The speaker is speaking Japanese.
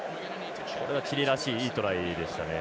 チリらしい、いいトライでしたね。